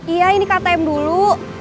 iya ini ktm dulu